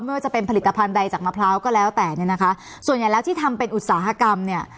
ไม่ว่าจะเป็นผลิตภัณฑ์ใดจากมะพร้าวก็แล้วแต่เนี่ยนะคะส่วนใหญ่แล้วที่ทำเป็นอุตสาหกรรมเนี่ย